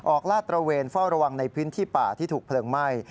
ลาดตระเวนเฝ้าระวังในพื้นที่ป่าที่ถูกเพลิงไหม้